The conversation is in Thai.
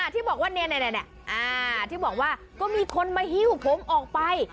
ที่บอกว่าที่บอกว่าก็มีคนมาหิ้วผมออกไป